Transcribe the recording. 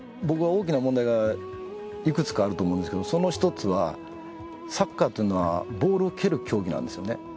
僕は大きな問題がいくつかあると思うんですけどその一つはサッカーというのはボールを蹴る競技なんですよね。